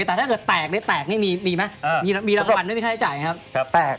แต่ถ้าแตกแตกมีรางวัลที่มีค่าใช้จ่ายครับ